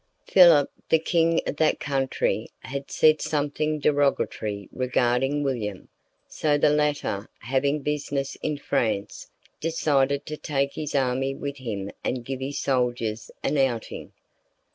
Philip, the king of that country, had said something derogatory regarding William, so the latter, having business in France, decided to take his army with him and give his soldiers an outing.